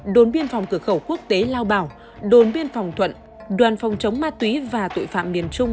đồn biên phòng cửa khẩu quốc tế lao bảo đồn biên phòng thuận đoàn phòng chống ma túy và tội phạm miền trung